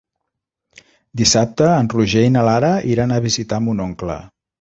Dissabte en Roger i na Lara iran a visitar mon oncle.